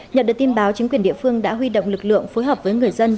nhận được tin báo chính quyền địa phương đã huy động lực lượng phối hợp với người dân